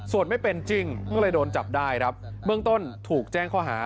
ส่วนไม่เป็นจริงก็เลยโดนจับได้ครับเบื้องต้นถูกแจ้งข้อหา